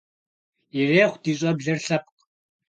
Ирехъу ди щӀэблэр лъэпкъ!